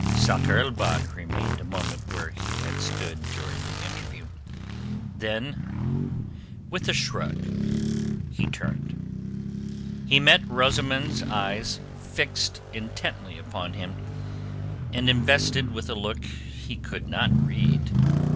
Sakr el Bahr remained a moment where he had stood during the interview, then with a shrug he turned. He met Rosamund's eyes fixed intently upon him, and invested with a look he could not read.